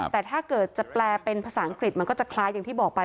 แต่ถ้าเกิดจะแปลเป็นภาษาอังกฤษมันก็จะคล้ายอย่างที่บอกไป